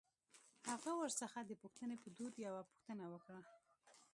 هغه ورڅخه د پوښتنې په دود يوه پوښتنه وکړه.